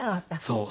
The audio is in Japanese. そう。